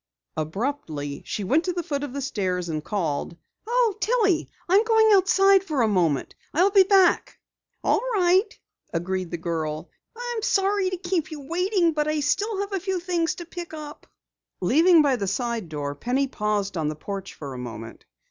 Abruptly she went to the foot of the stairs and called: "Oh, Tillie, I'm going outside for a minute. I'll come back." "All right," agreed the girl. "Sorry to keep you waiting but I still have a few things to pick up." Leaving by the side door, Penny paused on the porch for a moment.